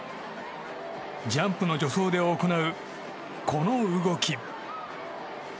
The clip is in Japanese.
ジャンプの助走で行うこの動き。